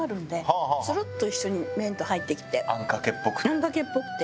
あんかけっぽくて？